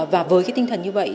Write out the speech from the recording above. và với cái tinh thần như vậy